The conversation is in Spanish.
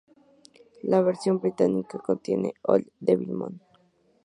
La versión británica contiene "Old Devil Moon".